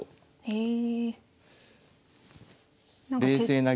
へえ。